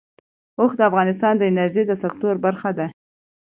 اوښ د افغانستان د انرژۍ سکتور برخه ده.